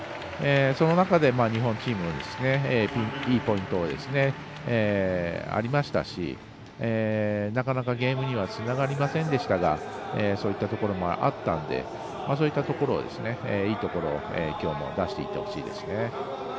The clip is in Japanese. その中で、日本チームいいポイントありましたしなかなかゲームにはつながりませんでしたがそういったところもあったのでそういったところをいいところを、きょうも出していってほしいですね。